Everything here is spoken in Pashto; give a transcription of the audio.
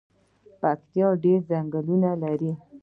پکتیا ډیر ځنګلونه لري